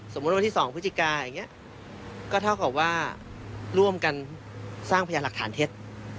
สมมติวันที่๒พฤจิกายังไงก็เท่ากับว่าร่วมกันสร้างพยาหลักฐานเท็จ